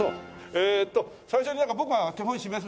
えーっと最初に僕が手本示す。